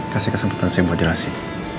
kasih kesempatan saya buat jelasin